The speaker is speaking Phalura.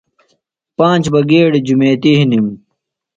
پانج بہ گیڈیۡ جُمیتیۡ ہِنِم۔